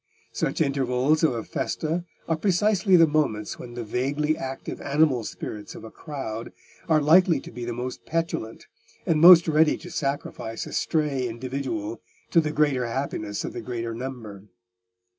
Such intervals of a Festa are precisely the moments when the vaguely active animal spirits of a crowd are likely to be the most petulant and most ready to sacrifice a stray individual to the greater happiness of the greater number.